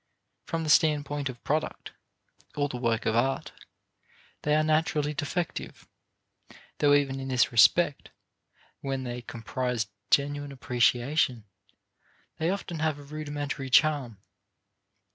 From the standpoint of product, or the work of art, they are naturally defective, though even in this respect when they comprise genuine appreciation they often have a rudimentary charm.